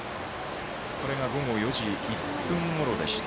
これが午後４時１分ごろでした。